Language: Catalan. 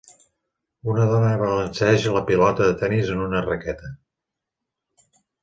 Una dona balanceja la pilota de tennis en una raqueta.